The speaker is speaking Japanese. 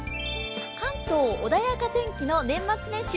関東、穏やか天気の年末年始。